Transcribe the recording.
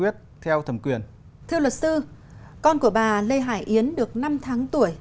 thưa luật quyền con của bà lê hải yến được năm tháng tuổi